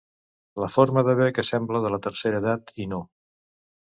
La forma d'haver que sembla de la tercera edat, i no.